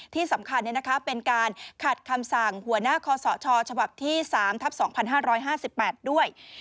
ที่สำคัญเป็นการขัดคำสั่งหัวหน้าคอสชฉบับที่๓ทับ๒๕๕๘ด้วย